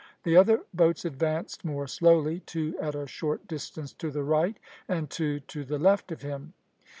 The other boats advanced more slowly, two at a short distance to the right and two to the left of him.